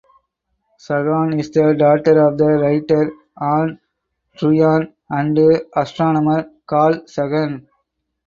Sagan is the daughter of the writer Ann Druyan and astronomer Carl Sagan.